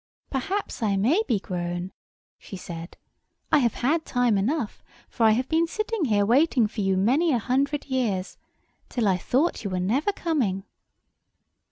"Perhaps I may be grown," she said. "I have had time enough; for I have been sitting here waiting for you many a hundred years, till I thought you were never coming."